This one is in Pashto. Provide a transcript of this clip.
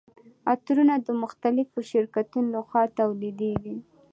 عطرونه د مختلفو شرکتونو لخوا تولیدیږي.